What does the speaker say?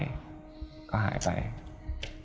เนี่ยคือเรื่องในตำนานที่ผมอยากฟังจากปาก